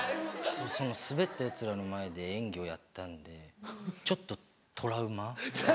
そのスベったヤツらの前で演技をやったんでちょっとトラウマ。